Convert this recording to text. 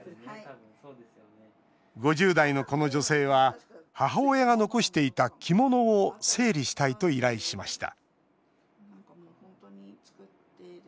５０代の、この女性は母親が残していた着物を整理したいと依頼しました